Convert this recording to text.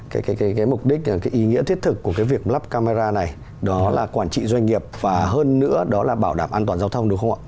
cái mục đích cái ý nghĩa thiết thực của cái việc lắp camera này đó là quản trị doanh nghiệp và hơn nữa đó là bảo đảm an toàn giao thông đúng không ạ